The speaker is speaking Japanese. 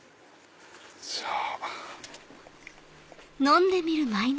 じゃあ。